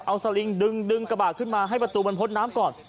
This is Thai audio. เอาสลิงดึงกระบะขึ้นมาให้ประตูมันพ้นน้ำก่อน